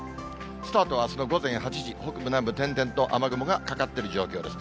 スタートはあすの午前８時、北部、南部、点々と雨雲がかかってる状況です。